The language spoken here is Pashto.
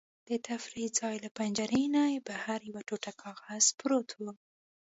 د تفریح ځای له پنجرې نه بهر یو ټوټه کاغذ پروت و.